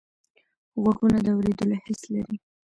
غوږونه د اوریدلو حس لري